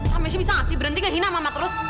tante bisa nggak sih berhenti ngehina mama terus